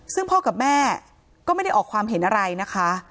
ซึ่งพ่อกับแม่ก็ไม่ได้ออกความเห็นอะไรนะคะ